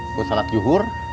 aku shalat yukur